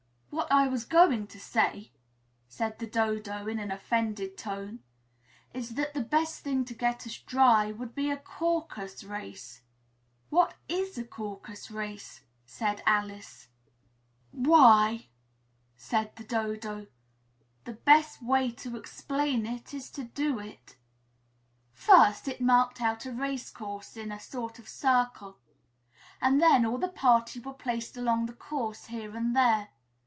"What I was going to say," said the Dodo in an offended tone, "is that the best thing to get us dry would be a Caucus race." "What is a Caucus race?" said Alice. "Why," said the Dodo, "the best way to explain it is to do it." First it marked out a race course, in a sort of circle, and then all the party were placed along the course, here and there.